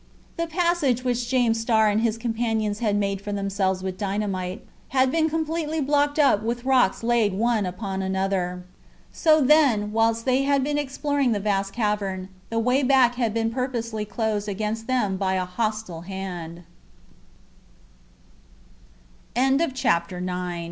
The passage which James Starr and his companions had made for themselves with dynamite had been completely blocked up with rocks laid one upon another. So, then, whilst they had been exploring the vast cavern, the way back had been purposely closed against them by a hostile hand. CHAPTER X. COAL T